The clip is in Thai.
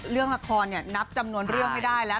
เรื่องละครนับจำนวนเรื่องไม่ได้แล้ว